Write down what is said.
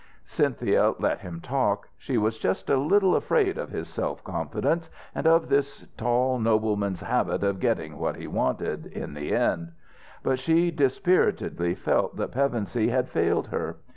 Cynthia let him talk. She was just a little afraid of his self confidence, and of this tall nobleman's habit of getting what he wanted, in the end: but she dispiritedly felt that Pevensey had failed her.